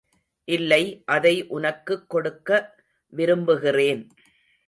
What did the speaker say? இல்லை, அதை உனக்குக் கொடுக்க விரும்புகிறேன்.